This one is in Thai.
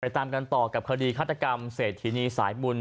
ตามกันต่อกับคดีฆาตกรรมเศรษฐีนีสายบุญ